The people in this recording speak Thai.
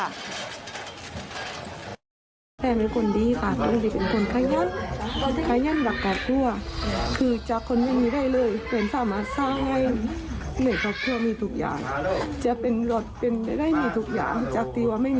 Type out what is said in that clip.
รอยงติดใจได้มากที่ว่า